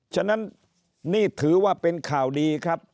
ฉะนั้นนี่ถือว่าเป็นข่าวดีครับ